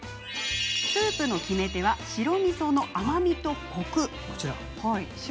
スープの決め手は白みその甘みとコク。